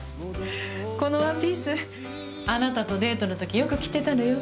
このワンピースあなたとデートの時よく着てたのよ。